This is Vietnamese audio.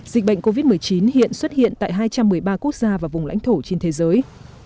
dịch bệnh covid một mươi chín hiện xuất hiện tại hai trăm một mươi ba quốc gia và vùng lãnh thổ trên thế giới